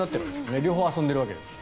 両方遊んでいるわけですから。